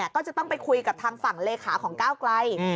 ก็จะต้องไปคุยกับทางฝั่งเลขาของก้าวไกล